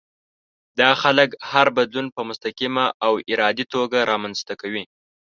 دا خلک هر بدلون په مستقيمه او ارادي توګه رامنځته کوي.